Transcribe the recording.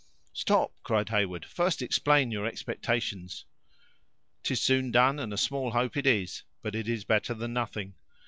"Stop!" cried Heyward; "first explain your expectations." "'Tis soon done, and a small hope it is; but it is better than nothing.